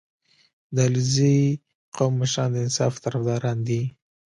• د علیزي قوم مشران د انصاف طرفداران دي.